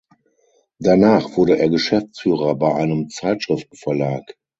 Danach wurde er Geschäftsführer bei einem Zeitschriftenverlag.